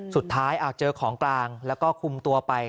สุดท้ายเจอของกลางแล้วก็คุมตัวไป